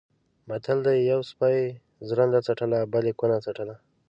متل دی: یوه سپي ژرنده څټله بل یې کونه څټله.